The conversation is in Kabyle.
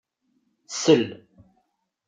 Sell!